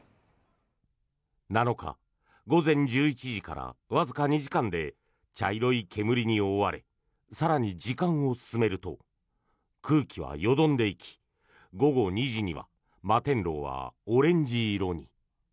７日午前１１時からわずか２時間で茶色い煙に覆われ更に時間を進めると空気はよどんでいき午後２時には摩天楼はオレンジ色に。